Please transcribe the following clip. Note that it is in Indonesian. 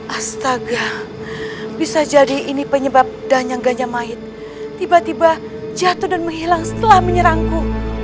astaga bisa jadi ini penyebab danyangganya mait tiba tiba jatuh dan menghilang setelah menyerangku